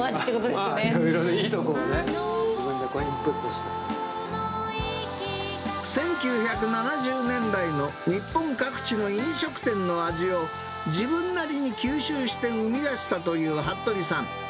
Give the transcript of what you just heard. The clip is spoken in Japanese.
まあ、いろいろ、いいとこを１９７０年代の日本各地の飲食店の味を、自分なりに吸収して生み出したという服部さん。